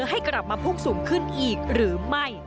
ให้กลับมาพุ่งสูงขึ้นอีกหรือไม่